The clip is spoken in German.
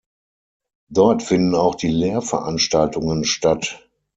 Dort finden auch die Lehrveranstaltungen statt.